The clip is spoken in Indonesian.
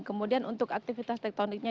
kemudian untuk aktivitas tektoniknya